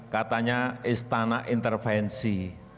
katanya istana intervensi